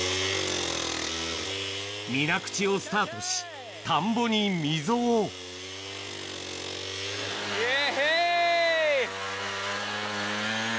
水口をスタートし田んぼに溝をヘイヘイ。